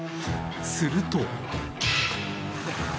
すると。